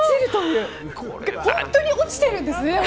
これ本当に落ちてるんですね。